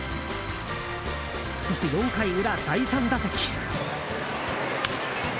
そして４回裏、第３打席。